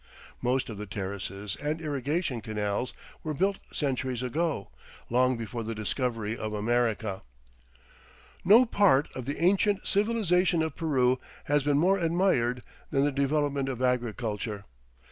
Most of the terraces and irrigation canals were built centuries ago, long before the discovery of America. No part of the ancient civilization of Peru has been more admired than the development of agriculture. Mr.